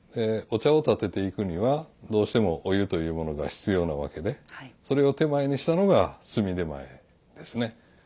お茶を点てていくにはどうしてもお湯というものが必要なわけでそれを点前にしたのが炭点前ですね。